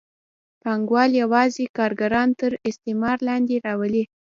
پانګوال یوازې کارګران تر استثمار لاندې راولي.